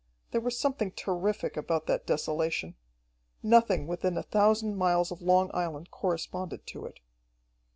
There was something terrific about that desolation. Nothing within a thousand miles of Long Island corresponded to it.